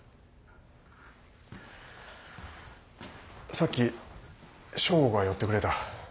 さっき匠吾が寄ってくれた。